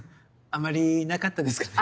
あまりなかったですかね。